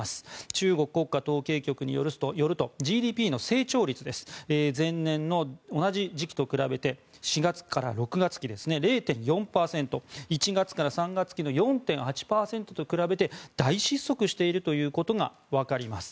中国国家統計局によるとＧＤＰの成長率です前年の同じ時期と比べて４月から６月期ですね０．４％１月から３月期の４．８％と比べて大失速しているということがわかります。